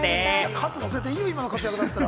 カツのせていいよ、今の活躍だったら。